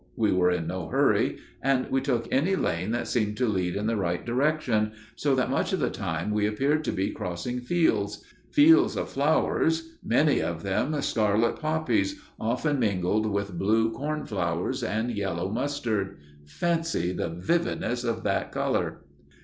We were in no hurry, and we took any lane that seemed to lead in the right direction, so that much of the time we appeared to be crossing fields fields of flowers, many of them, scarlet poppies, often mingled with blue corn flowers and yellow mustard fancy the vividness of that color!